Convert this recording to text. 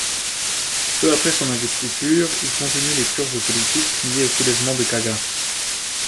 Peu après son investiture, il continue les purges politiques liées au soulèvement de Kaga.